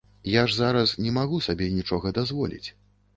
Я ж зараз не магу сабе нічога дазволіць.